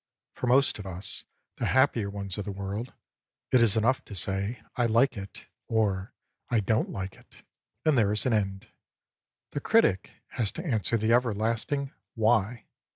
For most of us, the happier ones of the world, it is enough to say "I like it," or " I don't like it," and there is an end: the critic has to answer the everlasting " Why?"